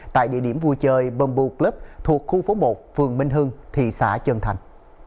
tại địa điểm vui chơi bumboo club thuộc khu phố một phường minh hưng thị xã trần thành